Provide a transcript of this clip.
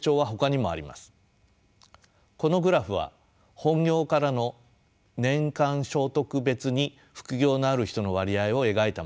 このグラフは本業からの年間所得別に副業のある人の割合を描いたものです。